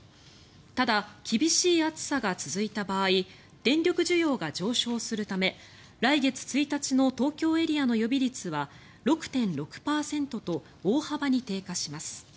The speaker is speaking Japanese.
ただ、厳しい暑さが続いた場合電力需要が上昇するため来月１日の東京エリアの予備率は６．６％と大幅に低下します。